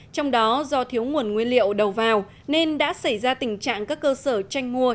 trong đó do thiếu nguồn nguyên liệu đầu vào nên đã xảy ra tình trạng các cơ sở tranh mua